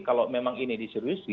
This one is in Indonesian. kalau memang ini diseriusi